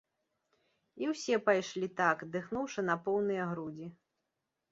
І ўсе пайшлі так, дыхнуўшы на поўныя грудзі.